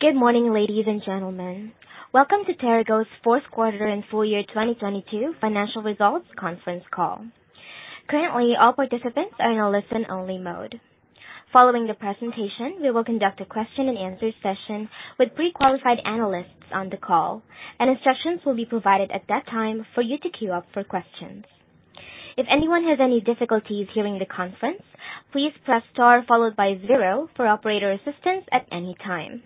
Good morning, ladies and gentlemen. Welcome to TeraGo's Fourth Quarter and Full Year 2022 Financial Results Conference Call. Currently, all participants are in a listen-only mode. Following the presentation, we will conduct a question-and-answer session with pre-qualified analysts on the call, and instructions will be provided at that time for you to queue up for questions. If anyone has any difficulties hearing the conference, please press star followed by zero for operator assistance at any time.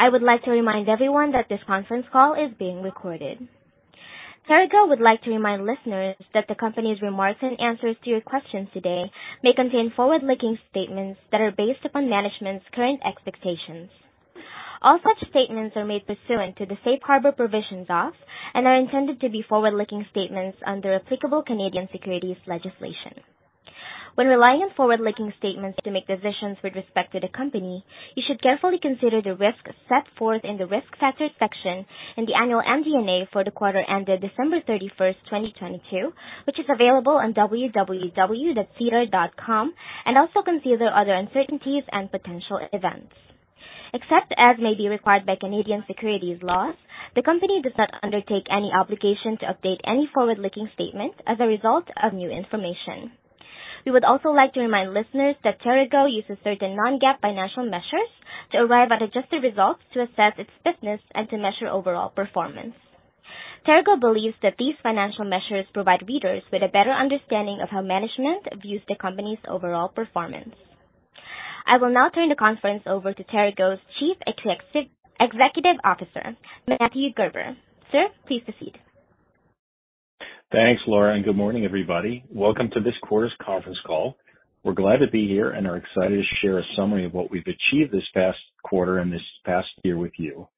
I would like to remind everyone that this conference call is being recorded. TeraGo would like to remind listeners that the company's remarks and answers to your questions today may contain forward-looking statements that are based upon management's current expectations. All such statements are made pursuant to the safe harbor provisions off and are intended to be forward-looking statements under applicable Canadian securities legislation. When relying on forward-looking statements to make decisions with respect to the company, you should carefully consider the risks set forth in the Risk Factors section in the annual MD&A for the quarter ended December 31st, 2022, which is available on www.terago.ca. Also consider other uncertainties and potential events. Except as may be required by Canadian securities laws, the company does not undertake any obligation to update any forward-looking statement as a result of new information. We would also like to remind listeners that TeraGo uses certain non-GAAP financial measures to arrive at adjusted results to assess its business and to measure overall performance. TeraGo believes that these financial measures provide readers with a better understanding of how management views the company's overall performance. I will now turn the conference over to TeraGo's Chief Executive Officer, Matthew Gerber. Sir, please proceed. Thanks, Laura. Good morning, everybody. Welcome to this quarter's conference call. We're glad to be here and are excited to share a summary of what we've achieved this past quarter and this past year with you.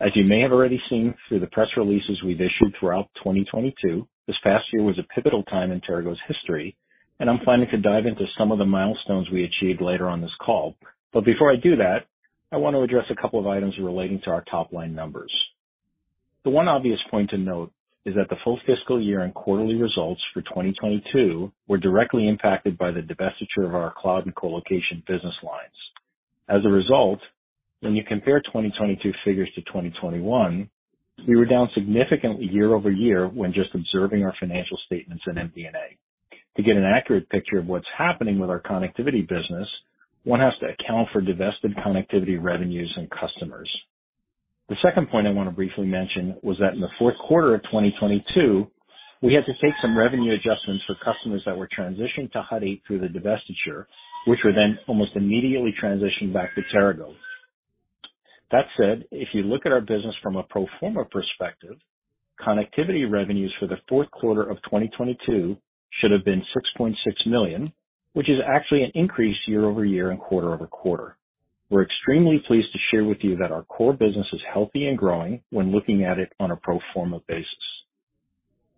As you may have already seen through the press releases we've issued throughout 2022, this past year was a pivotal time in TeraGo's history. I'm planning to dive into some of the milestones we achieved later on this call. Before I do that, I want to address a couple of items relating to our top-line numbers. The one obvious point to note is that the full fiscal year and quarterly results for 2022 were directly impacted by the divestiture of our cloud and colocation business lines. Result, when you compare 2022 figures to 2021, we were down significantly year-over-year when just observing our financial statements in MD&A. To get an accurate picture of what's happening with our connectivity business, one has to account for divested connectivity revenues and customers. The second point I want to briefly mention was that in the fourth quarter of 2022, we had to take some revenue adjustments for customers that were transitioned to Hut 8 through the divestiture, which were then almost immediately transitioned back to TeraGo. That said, if you look at our business from a pro forma perspective, connectivity revenues for the fourth quarter of 2022 should have been 6.6 million, which is actually an increase year-over-year and quarter-over-quarter. We're extremely pleased to share with you that our core business is healthy and growing when looking at it on a pro forma basis.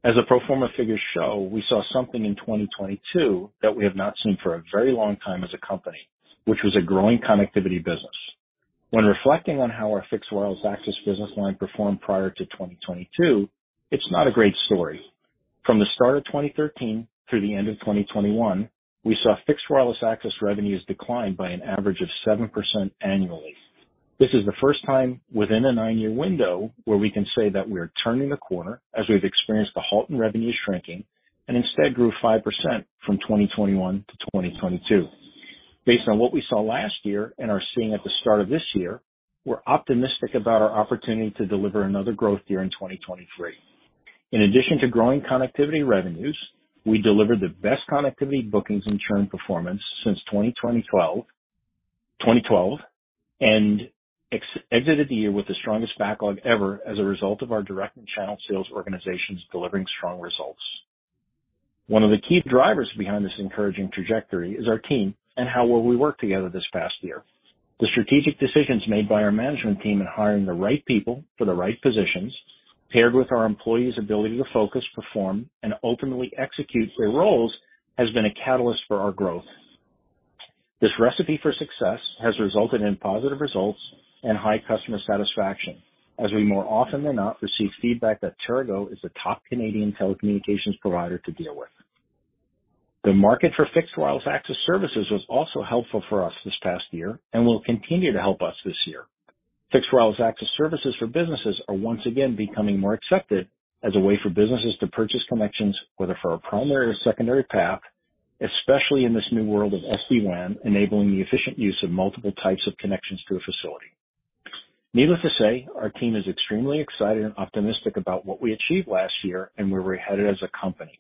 As the pro forma figures show, we saw something in 2022 that we have not seen for a very long time as a company, which was a growing connectivity business. When reflecting on how our fixed wireless access business line performed prior to 2022, it's not a great story. From the start of 2013 through the end of 2021, we saw fixed wireless access revenues decline by an average of 7% annually. This is the first time within a nine-year window where we can say that we are turning the corner as we've experienced a halt in revenue shrinking, and instead grew 5% from 2021-2022. Based on what we saw last year and are seeing at the start of this year, we're optimistic about our opportunity to deliver another growth year in 2023. In addition to growing connectivity revenues, we delivered the best connectivity bookings and churn performance since 2012. We exited the year with the strongest backlog ever as a result of our direct and channel sales organizations delivering strong results. One of the key drivers behind this encouraging trajectory is our team and how well we worked together this past year. The strategic decisions made by our management team in hiring the right people for the right positions, paired with our employees' ability to focus, perform, and ultimately execute their roles, has been a catalyst for our growth. This recipe for success has resulted in positive results and high customer satisfaction as we more often than not receive feedback that TeraGo is a top Canadian telecommunications provider to deal with. The market for fixed wireless access services was also helpful for us this past year and will continue to help us this year. Fixed wireless access services for businesses are once again becoming more accepted as a way for businesses to purchase connections, whether for a primary or secondary path, especially in this new world of SD-WAN, enabling the efficient use of multiple types of connections to a facility. Needless to say, our team is extremely excited and optimistic about what we achieved last year and where we're headed as a company.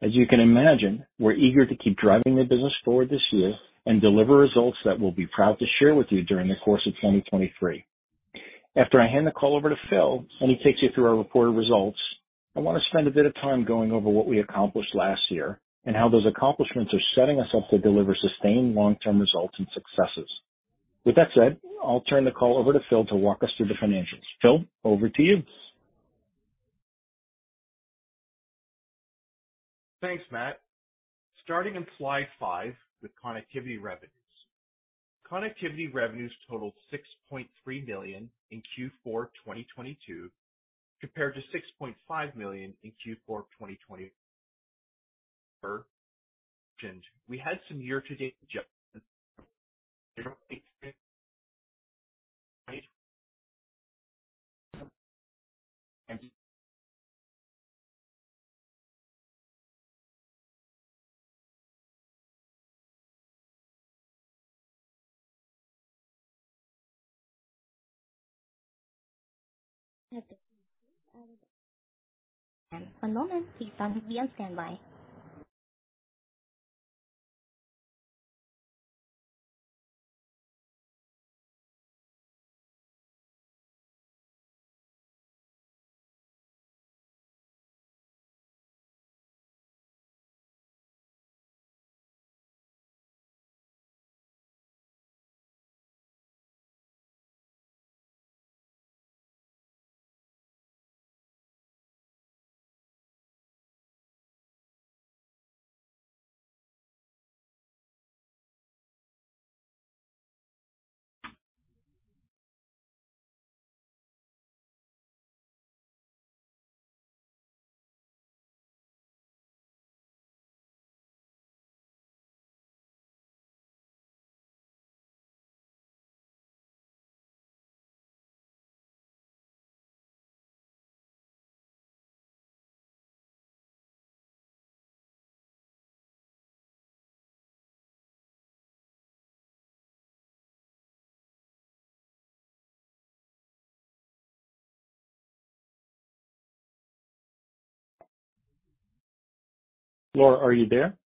As you can imagine, we're eager to keep driving the business forward this year and deliver results that we'll be proud to share with you during the course of 2023. After I hand the call over to Phil, he takes you through our reported results, I want to spend a bit of time going over what we accomplished last year and how those accomplishments are setting us up to deliver sustained long-term results and successes. With that said, I'll turn the call over to Phil to walk us through the financials. Phil, over to you. Thanks, Matt. Starting in slide five with connectivity revenues. Connectivity revenues totaled 6.3 million in Q4 2022, compared to 6.5 million in Q4 2021. We had some year-to-date adjustments. One moment, please. I'll have you on standby. Laura, are you there?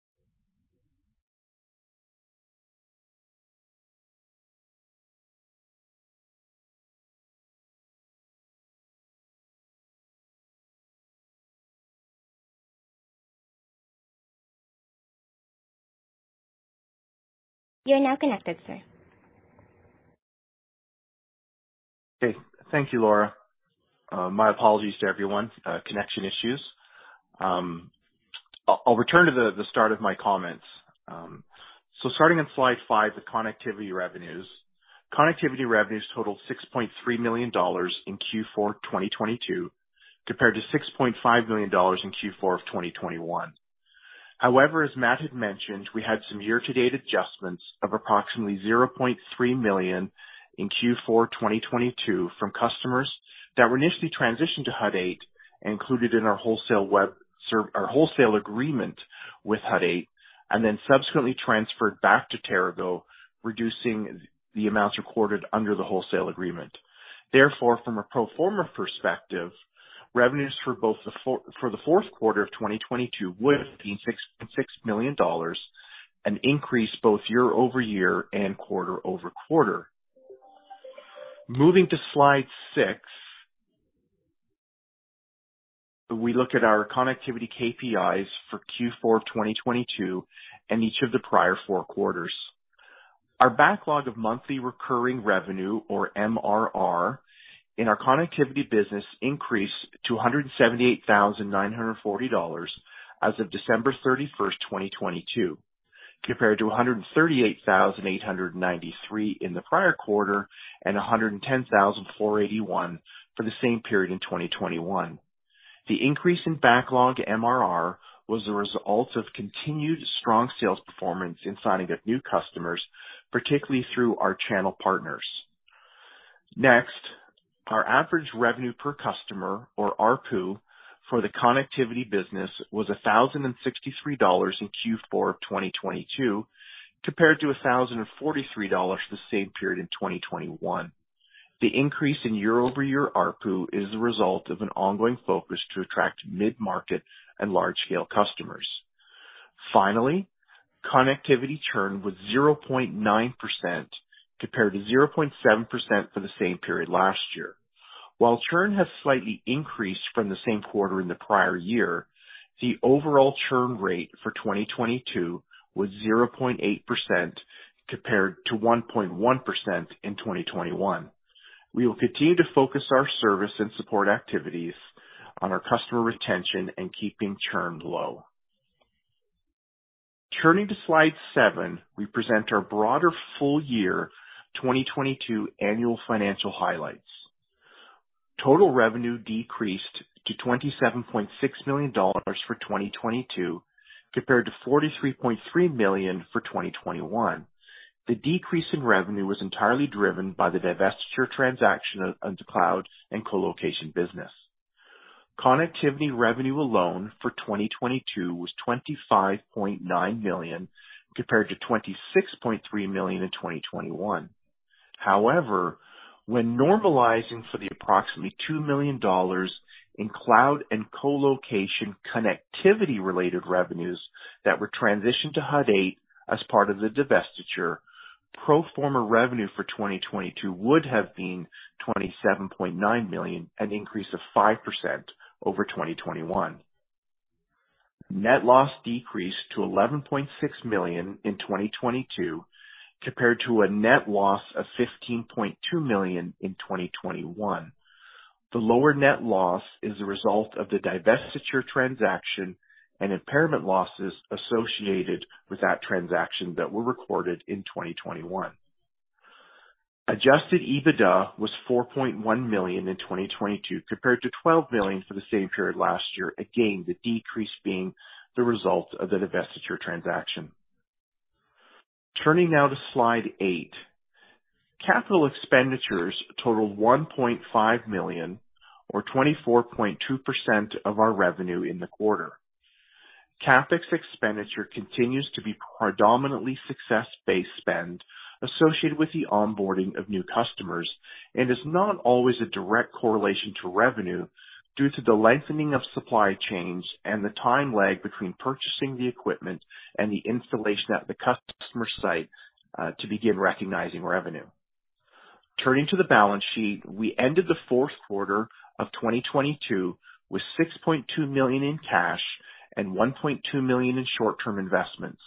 You're now connected, sir. Okay. Thank you, Laura. My apologies to everyone. Connection issues. I'll return to the start of my comments. Starting on slide five, the connectivity revenues. Connectivity revenues totaled 6.3 million dollars in Q4 2022, compared to 6.5 million dollars in Q4 of 2021. However, as Matt had mentioned, we had some year-to-date adjustments of approximately 0.3 million in Q4 2022 from customers that were initially transitioned to Hut 8 and included in our wholesale agreement with Hut 8, and then subsequently transferred back to TeraGo, reducing the amounts recorded under the wholesale agreement. From a pro forma perspective, revenues for both for the fourth quarter of 2022 would have been 6.6 million dollars, an increase both year-over-year and quarter-over-quarter. Moving to slide six, we look at our connectivity KPIs for Q4 of 2022 and each of the prior four quarters. Our backlog of monthly recurring revenue or MRR in our connectivity business increased to 178,940 dollars as of December 31st, 2022, compared to 138,893 in the prior quarter and 110,481 for the same period in 2021. The increase in backlog MRR was the result of continued strong sales performance in signing up new customers, particularly through our channel partners. Next, our average revenue per customer, or ARPU, for the connectivity business was 1,063 dollars in Q4 of 2022, compared to 1,043 dollars the same period in 2021. The increase in year-over-year ARPU is the result of an ongoing focus to attract mid-market and large-scale customers. Connectivity churn was 0.9% compared to 0.7% for the same period last year. While churn has slightly increased from the same quarter in the prior year, the overall churn rate for 2022 was 0.8% compared to 1.1% in 2021. We will continue to focus our service and support activities on our customer retention and keeping churn low. Turning to slide seven, we present our broader full year 2022 annual financial highlights. Total revenue decreased to 27.6 million dollars for 2022 compared to 43.3 million for 2021. The decrease in revenue was entirely driven by the divestiture transaction of the cloud and colocation business. Connectivity revenue alone for 2022 was 25.9 million, compared to 26.3 million in 2021. However, when normalizing for the approximately 2 million dollars in cloud and colocation connectivity-related revenues that were transitioned to Hut 8 as part of the divestiture, pro forma revenue for 2022 would have been 27.9 million, an increase of 5% over 2021. Net loss decreased to 11.6 million in 2022, compared to a net loss of 15.2 million in 2021. The lower net loss is a result of the divestiture transaction and impairment losses associated with that transaction that were recorded in 2021. Adjusted EBITDA was 4.1 million in 2022, compared to 12 million for the same period last year. The decrease being the result of the divestiture transaction. Turning now to slide eight. Capital expenditures totaled 1.5 million or 24.2% of our revenue in the quarter. CapEx expenditure continues to be predominantly success-based spend associated with the onboarding of new customers and is not always a direct correlation to revenue due to the lengthening of supply chains and the time lag between purchasing the equipment and the installation at the customer site, to begin recognizing revenue. Turning to the balance sheet, we ended the fourth quarter of 2022 with 6.2 million in cash and 1.2 million in short-term investments.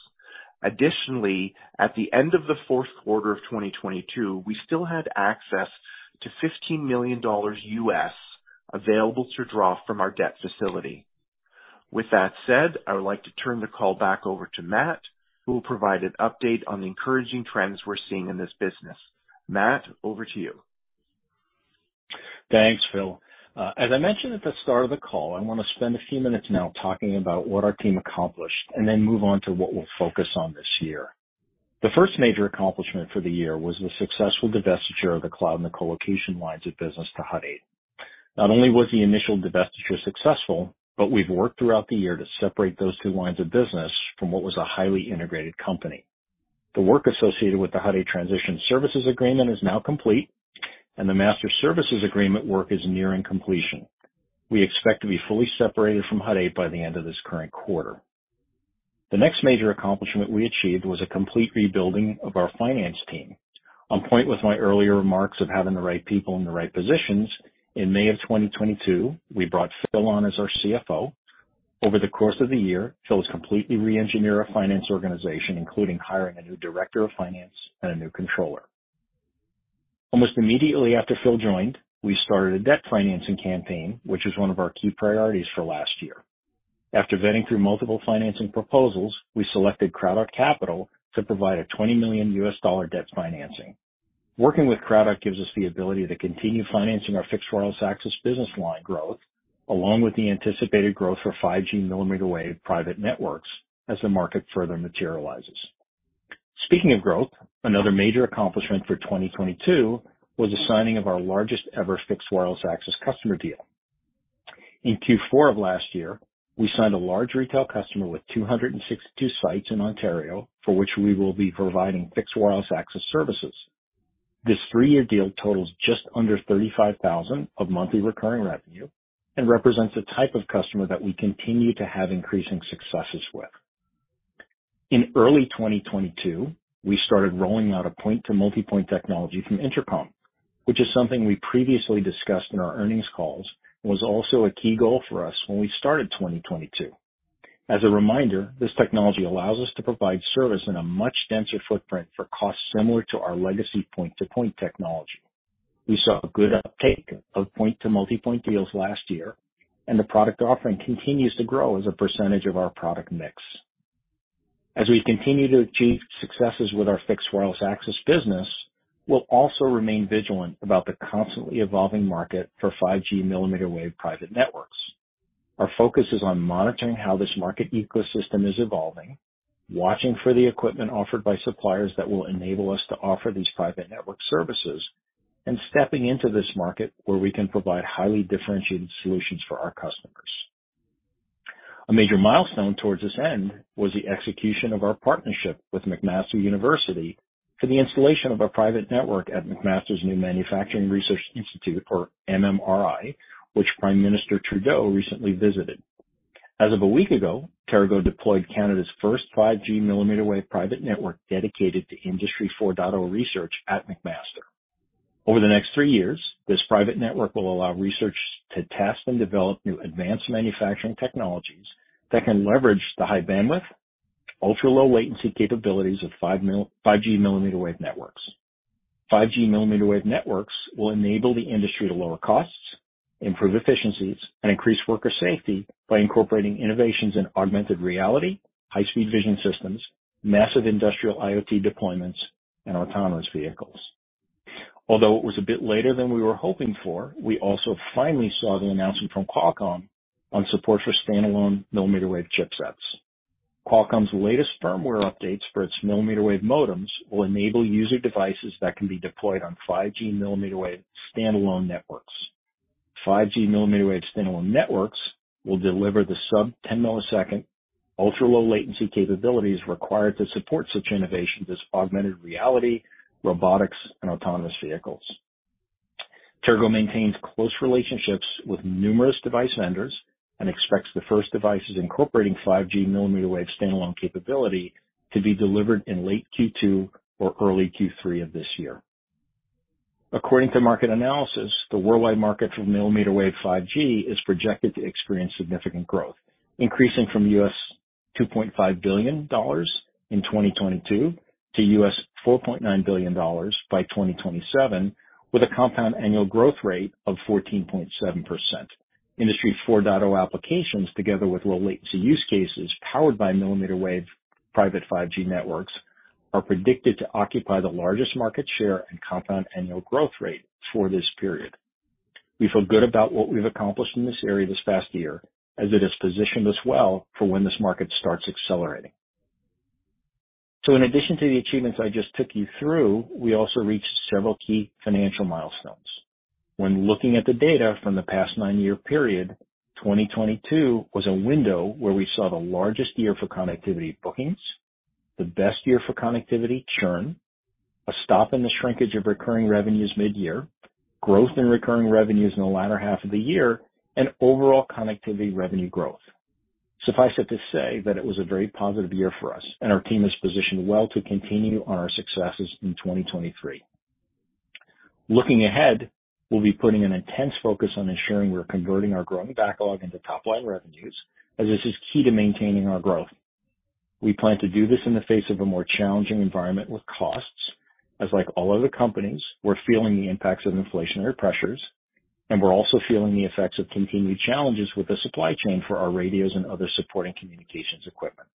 Additionally, at the end of the fourth quarter of 2022, we still had access to $15 million available to draw from our debt facility. With that said, I would like to turn the call back over to Matt, who will provide an update on the encouraging trends we're seeing in this business. Matt, over to you. Thanks, Phil. As I mentioned at the start of the call, I wanna spend a few minutes now talking about what our team accomplished and then move on to what we'll focus on this year. The first major accomplishment for the year was the successful divestiture of the cloud and the colocation lines of business to Hut 8. Not only was the initial divestiture successful, we've worked throughout the year to separate those two lines of business from what was a highly integrated company. The work associated with the Hut 8 transition services agreement is now complete, and the Master Services Agreement work is nearing completion. We expect to be fully separated from Hut 8 by the end of this current quarter. The next major accomplishment we achieved was a complete rebuilding of our finance team. On point with my earlier remarks of having the right people in the right positions, in May of 2022, we brought Phil on as our CFO. Over the course of the year, Phil has completely reengineered our finance organization, including hiring a new director of finance and a new controller. Almost immediately after Phil joined, we started a debt financing campaign, which is one of our key priorities for last year. After vetting through multiple financing proposals, we selected CrowdOut Capital to provide a $20 million debt financing. Working with CrowdOut gives us the ability to continue financing our fixed wireless access business line growth, along with the anticipated growth for 5G mmWave private networks as the market further materializes. Speaking of growth, another major accomplishment for 2022 was the signing of our largest ever fixed wireless access customer deal. In Q4 of last year, we signed a large retail customer with 262 sites in Ontario, for which we will be providing fixed wireless access services. This three-year deal totals just under 35,000 of monthly recurring revenue and represents a type of customer that we continue to have increasing successes with. In early 2022, we started rolling out a point-to-multipoint technology from INTRACOM, which is something we previously discussed in our earnings calls, and was also a key goal for us when we started 2022. As a reminder, this technology allows us to provide service in a much denser footprint for costs similar to our legacy point-to-point technology. We saw a good uptake of point-to-multipoint deals last year, and the product offering continues to grow as a % of our product mix. As we continue to achieve successes with our fixed wireless access business, we'll also remain vigilant about the constantly evolving market for 5G MMwave private networks. Our focus is on monitoring how this market ecosystem is evolving, watching for the equipment offered by suppliers that will enable us to offer these private network services, and stepping into this market where we can provide highly differentiated solutions for our customers. A major milestone towards this end was the execution of our partnership with McMaster University for the installation of a private network at McMaster's new Manufacturing Research Institute, or MMRI, which Prime Minister Trudeau recently visited. As of a week ago, TeraGo deployed Canada's first 5G mmWave private network dedicated to Industry 4.0 data research at McMaster. Over the next three years, this private network will allow research to test and develop new advanced manufacturing technologies that can leverage the high bandwidth, ultra-low latency capabilities of 5G mmWave networks. 5G mmWave networks will enable the industry to lower costs, improve efficiencies, and increase worker safety by incorporating innovations in augmented reality, high-speed vision systems, massive industrial IoT deployments, and autonomous vehicles. Although it was a bit later than we were hoping for, we also finally saw the announcement from Qualcomm on support for standalone millimeter wave chipsets. Qualcomm's latest firmware updates for its millimeter wave modems will enable user devices that can be deployed on 5G mmWave standalone networks. 5G mmWave standalone networks will deliver the sub 10-ms ultra-low latency capabilities required to support such innovations as augmented reality, robotics, and autonomous vehicles. TeraGo maintains close relationships with numerous device vendors and expects the first devices incorporating 5G mmWave standalone capability to be delivered in late Q2 or early Q3 of this year. According to market analysis, the worldwide market for mmWave 5G is projected to experience significant growth, increasing from $2.5 billion in 2022 to $4.9 billion by 2027, with a compound annual growth rate of 14.7%. Industry 4.0 data applications, together with low latency use cases powered by mmWave private 5G networks are predicted to occupy the largest market share and compound annual growth rate for this period. We feel good about what we've accomplished in this area this past year, as it has positioned us well for when this market starts accelerating. In addition to the achievements I just took you through, we also reached several key financial milestones. When looking at the data from the past nine-year period, 2022 was a window where we saw the largest year for connectivity bookings, the best year for connectivity churn, a stop in the shrinkage of recurring revenues mid-year, growth in recurring revenues in the latter half of the year, and overall connectivity revenue growth. Suffice it to say that it was a very positive year for us, and our team is positioned well to continue on our successes in 2023. Looking ahead, we'll be putting an intense focus on ensuring we're converting our growing backlog into top line revenues, as this is key to maintaining our growth. We plan to do this in the face of a more challenging environment with costs as like all other companies, we're feeling the impacts of inflationary pressures, and we're also feeling the effects of continued challenges with the supply chain for our radios and other supporting communications equipment.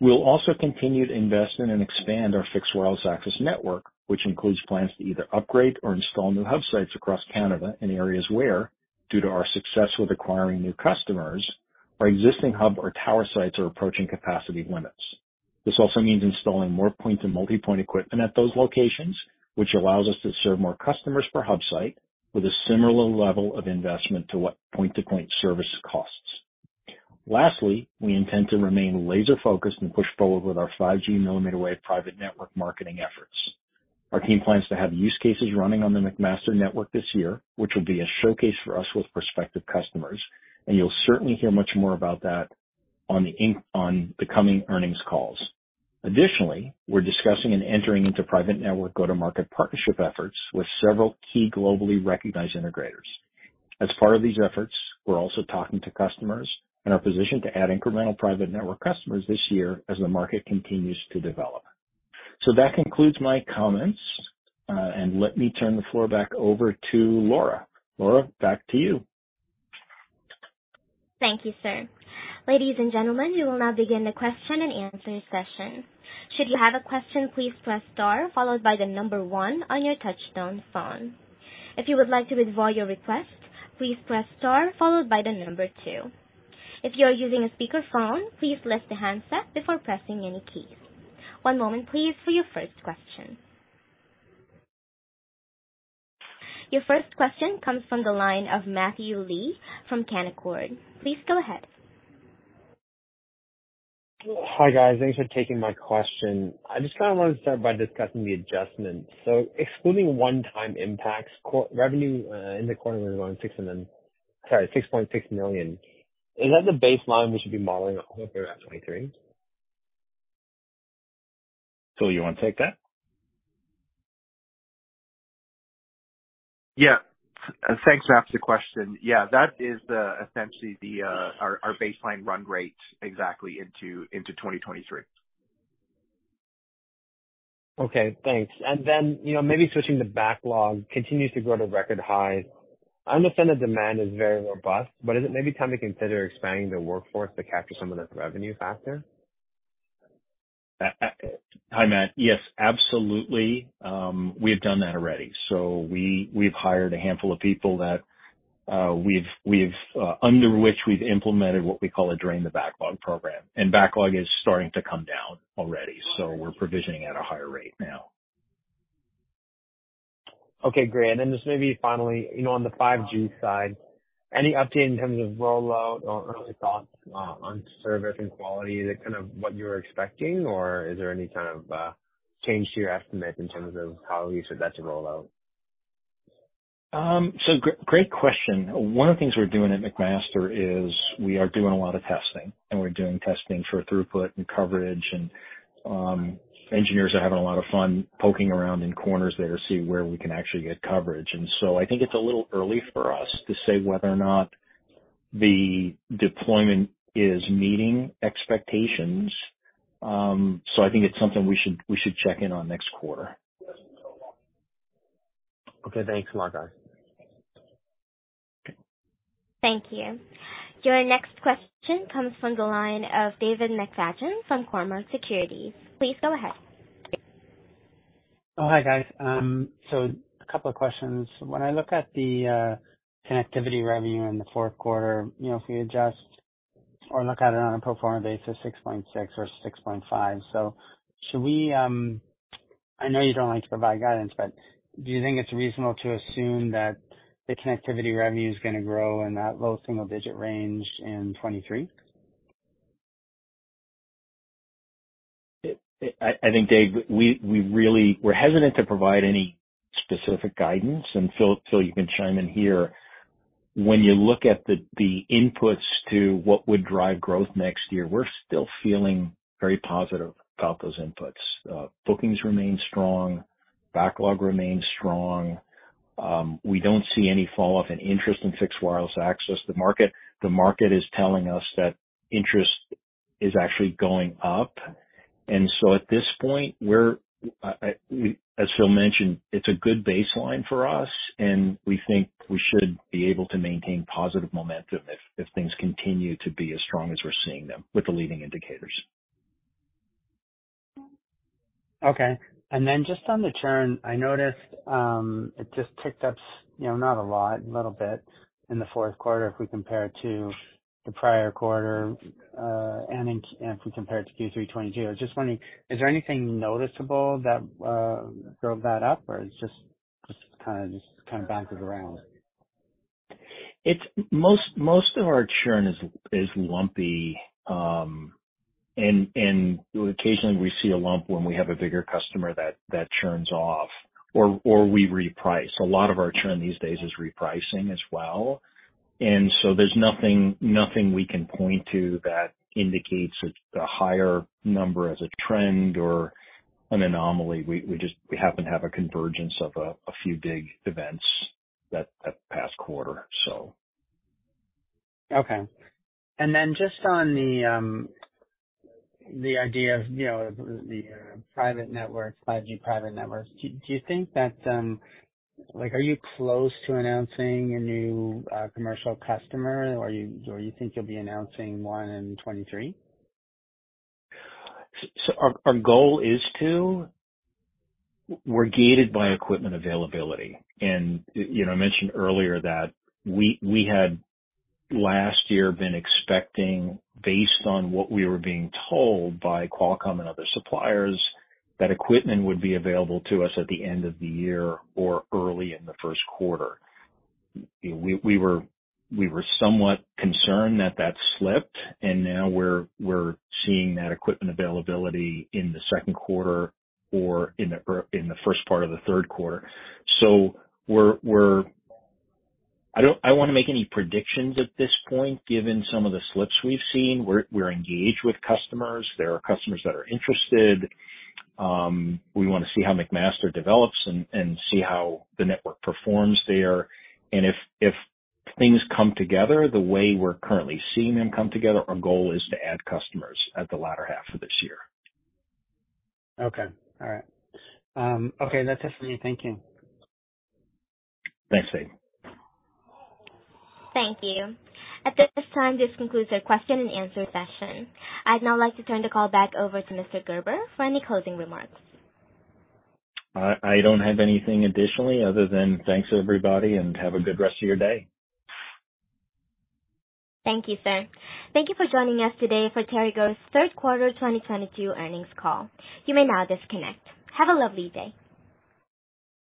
We'll also continue to invest in and expand our fixed wireless access network, which includes plans to either upgrade or install new hub sites across Canada in areas where, due to our success with acquiring new customers, our existing hub or tower sites are approaching capacity limits. This also means installing more point-to-multipoint equipment at those locations, which allows us to serve more customers per hub site with a similar level of investment to what point-to-point service costs. Lastly, we intend to remain laser-focused and push forward with our 5G mmWave private network marketing efforts. Our team plans to have use cases running on the McMaster network this year, which will be a showcase for us with prospective customers, and you'll certainly hear much more about that on the coming earnings calls. Additionally, we're discussing and entering into private network go-to-market partnership efforts with several key globally recognized integrators. As part of these efforts, we're also talking to customers and are positioned to add incremental private network customers this year as the market continues to develop. That concludes my comments, and let me turn the floor back over to Laura. Laura, back to you. Thank you, sir. Ladies and gentlemen, we will now begin the question-and-answer session. Should you have a question, please press star followed by the number one on your touchtone phone. If you would like to withdraw your request, please press star followed by the number two. If you are using a speakerphone, please lift the handset before pressing any keys. One moment please for your first question. Your first question comes from the line of Matthew Lee from Canaccord. Please go ahead. Hi, guys. Thanks for taking my question. I just kind of wanted to start by discussing the adjustment. Excluding one-time impacts, revenue in the quarter was around 6.6 million. Is that the baseline we should be modeling off of for 2023? Phil, you wanna take that? Yeah. Thanks, Matt, for the question. Yeah, that is the, essentially the, our baseline run rate exactly into 2023. Okay, thanks. You know, maybe switching to backlog, continues to grow to record highs. I understand the demand is very robust, but is it maybe time to consider expanding the workforce to capture some of this revenue faster? Hi, Matt. Yes, absolutely. We have done that already. We've hired a handful of people that, we've implemented what we call a drain the backlog program. Backlog is starting to come down already, so we're provisioning at a higher rate now. Okay, great. Just maybe finally, you know, on the 5G side, any update in terms of rollout or early thoughts on service and quality? Is it kind of what you were expecting or is there any kind of change to your estimate in terms of how you expect that to roll out? Great question. One of the things we're doing at McMaster is we are doing a lot of testing, and we're doing testing for throughput and coverage, and engineers are having a lot of fun poking around in corners there to see where we can actually get coverage. I think it's a little early for us to say whether or not the deployment is meeting expectations. I think it's something we should, we should check in on next quarter. Okay, thanks a lot, guys. Thank you. Your next question comes from the line of David McFadgen from Cormark Securities. Please go ahead. Hi, guys. A couple of questions. When I look at the connectivity revenue in the fourth quarter, you know, if we adjust or look at it on a pro forma basis, 6.6 or 6.5. Should we, I know you don't like to provide guidance, but do you think it's reasonable to assume that the connectivity revenue is gonna grow in that low single-digit range in 2023? I think, Dave, we're hesitant to provide any specific guidance, Phil, you can chime in here. When you look at the inputs to what would drive growth next year, we're still feeling very positive about those inputs. Bookings remain strong, backlog remains strong. We don't see any fall off in interest in fixed wireless access. The market is telling us that interest is actually going up. At this point, as Phil mentioned, it's a good baseline for us, and we think we should be able to maintain positive momentum if things continue to be as strong as we're seeing them with the leading indicators. Okay. Just on the churn, I noticed, it just ticked up, you know, not a lot, a little bit in the fourth quarter if we compare it to the prior quarter, if we compare it to Q3 2022. I was just wondering, is there anything noticeable that drove that up? Or it's just kinda bounces around. Most of our churn is lumpy. Occasionally we see a lump when we have a bigger customer that churns off or we reprice. A lot of our churn these days is repricing as well. There's nothing we can point to that indicates it's the higher number as a trend or an anomaly. We happen to have a convergence of a few big events that past quarter. Okay. Just on the idea of, you know, the private networks, 5G private networks, do you think that, like, are you close to announcing a new, commercial customer, or you think you'll be announcing one in 2023? Our goal is to. We're gated by equipment availability. You know, I mentioned earlier that we had last year been expecting, based on what we were being told by Qualcomm and other suppliers, that equipment would be available to us at the end of the year or early in the first quarter. You know, we were somewhat concerned that that slipped, now we're seeing that equipment availability in the second quarter or in the first part of the third quarter. We're, I won't make any predictions at this point, given some of the slips we've seen. We're engaged with customers. There are customers that are interested. We wanna see how McMaster develops and see how the network performs there. If things come together the way we're currently seeing them come together, our goal is to add customers at the latter half of this year. Okay. All right. Okay. That's it for me. Thank you. Thanks, Dave. Thank you. At this time, this concludes our question and answer session. I'd now like to turn the call back over to Mr. Gerber for any closing remarks. I don't have anything additionally other than thanks everybody, and have a good rest of your day. Thank you, sir. Thank you for joining us today for TeraGo's third quarter 2022 earnings call. You may now disconnect. Have a lovely day.